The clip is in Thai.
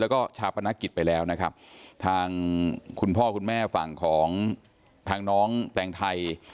แล้วก็ชาปนกิจไปแล้วนะครับทางคุณพ่อคุณแม่ฝั่งของทางน้องแตงไทย